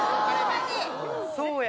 そうや。